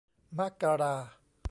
มกรา